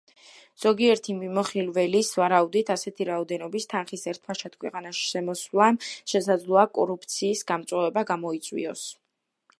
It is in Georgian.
ზოგიერთი მიმომხილველის ვარაუდით ასეთი რაოდენობის თანხის ერთბაშად ქვეყანაში შემოსვლამ შესაძლოა კორუფციის გამწვავება გამოიწვიოს.